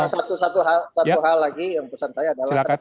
nah satu hal lagi yang pesan saya adalah